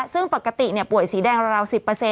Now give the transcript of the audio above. ซึ่งปกติป่วยสีแดงราว๑๐